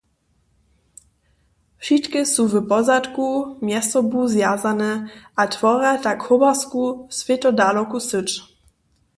Wšitke su w pozadku mjez sobu zwjazane a tworja tak hobersku, swětadaloku syć.